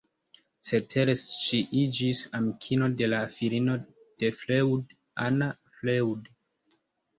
Cetere ŝi iĝis amikino de la filino de Freud, Anna Freud.